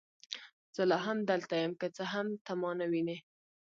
زه لا هم دلته یم، که څه هم ته ما نه وینې.